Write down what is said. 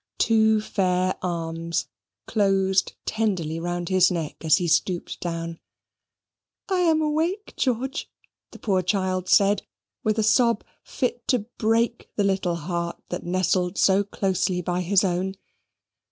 Two fair arms closed tenderly round his neck as he stooped down. "I am awake, George," the poor child said, with a sob fit to break the little heart that nestled so closely by his own.